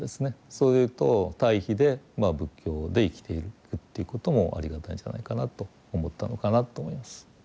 そういうと対比で仏教で生きていくっていうこともありがたいんじゃないかなと思ったのかなと思います。